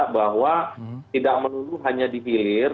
bahwa tidak menurut hanya di hilir